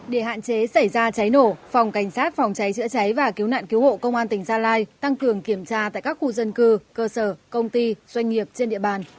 để hạn chế xảy ra cháy nổ phòng cảnh sát phòng cháy chữa cháy và cứu nạn cứu hộ công an tỉnh gia lai tăng cường kiểm tra tại các khu dân cư cơ sở công ty doanh nghiệp trên địa bàn